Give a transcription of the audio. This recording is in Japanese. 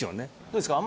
どうですか？